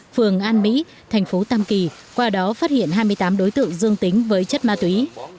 phường an mỹ thành phố tam kỳ qua đó phát hiện hai mươi tám đối tượng dương tính với chất ma túy